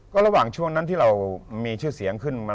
ก็ระหว่างช่วงนั้นที่เรามีชื่อเสียงขึ้นมา